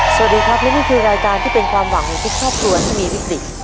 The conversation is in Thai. สวัสดีครับและนี่คือรายการที่เป็นความหวังของทุกครอบครัวที่มีวิกฤต